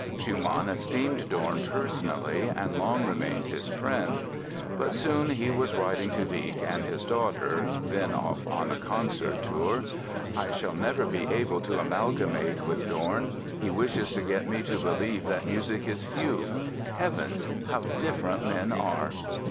Schumann esteemed Dorn personally and long remained his friend. But soon he was writing to Wieck and his daughter, then off on a concert tour: "I shall never be able to amalgamate with Dorn; he wishes to get me to believe that music is fugue—heavens! how different men are...."